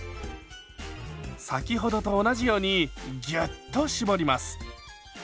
先ほどと同じようにギュッと絞ります。